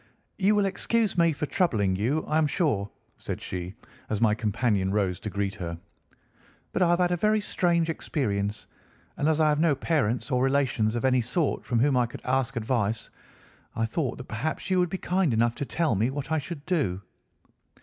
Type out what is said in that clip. "You will excuse my troubling you, I am sure," said she, as my companion rose to greet her, "but I have had a very strange experience, and as I have no parents or relations of any sort from whom I could ask advice, I thought that perhaps you would be kind enough to tell me what I should do."